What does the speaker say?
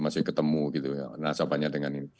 masih ketemu gitu ya nasabahnya dengan ini